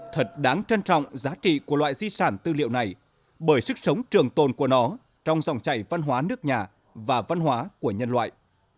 thật đáng trân trọng giá trị của loại di sản tư liệu này bởi sức sống trường tồn của nó trong dòng chảy văn hóa nước nhà và văn hóa của nhân loại